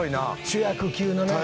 主役級のね。